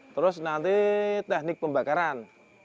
terus nanti teknik pembakaran